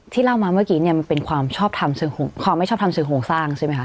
ที่เล่ามาเมื่อกี้เนี่ยมันเป็นความไม่ชอบทำเชิงโฮงสร้างใช่ไหมคะ